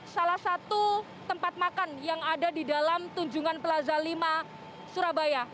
salah satu tempat makan yang ada di dalam tunjungan plaza lima surabaya